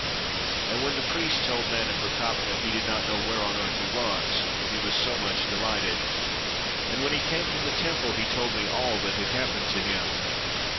And when the priest told Nanefer kaptah, he did not know where on earth he was, he was so much delighted. And when he came from the temple, he told me aU that had happened to him.